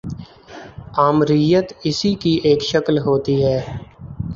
آمریت اسی کی ایک شکل ہوتی ہے۔